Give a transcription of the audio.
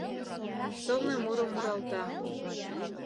Сылне мурым муралта